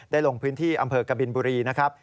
ลงพื้นที่อำเภอกบินบุรีนะครับ